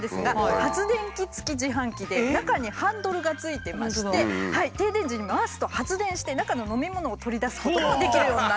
発電機付き自販機で中にハンドルが付いてまして停電時に回すと発電して中の飲み物を取り出すこともできるようになってるんですね。